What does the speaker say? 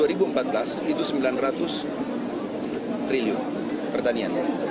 itu sembilan ratus triliun pertanian